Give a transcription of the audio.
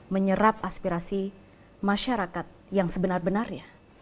menyerap aspirasi masyarakat yang sebenar benarnya